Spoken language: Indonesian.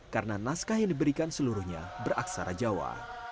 karena naskah yang diberikan seluruhnya beraksara jawa